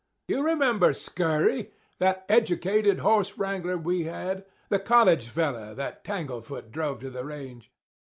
You remember Scurry—that educated horse wrangler we had— the college fellow that tangle foot drove to the range?